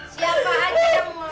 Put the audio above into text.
siapa aja yang mau